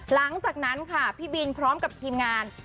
หลังจากนั้นค่ะพี่บินพร้อมกับทีมงาน